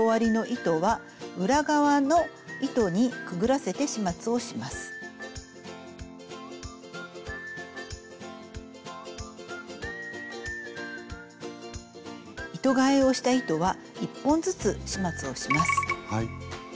糸がえをした糸は１本ずつ始末をします。